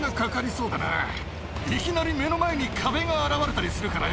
いきなり目の前に壁が現れたりするからよ。